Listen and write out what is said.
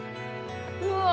うわ！